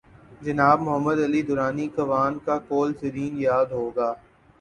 جناب محمد علی درانی کوان کا قول زریں یاد ہو گا۔